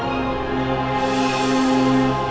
sampai ibu hanya nyuruh